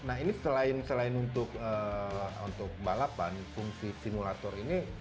nah ini selain untuk balapan fungsi simulator ini